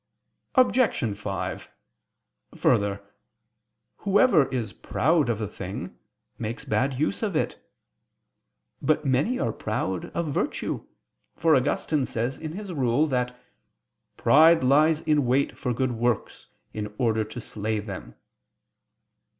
Obj. 5: Further, whoever is proud of a thing, makes bad use of it. But many are proud of virtue, for Augustine says in his Rule, that "pride lies in wait for good works in order to slay them."